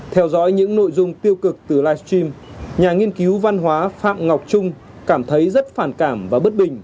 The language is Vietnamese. theo dõi những nội dung tiêu cực từ livestream nhà nghiên cứu văn hóa phạm ngọc trung cảm thấy rất phản cảm và bất bình